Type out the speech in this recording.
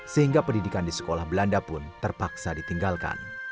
sehingga pendidikan di sekolah belanda pun terpaksa ditinggalkan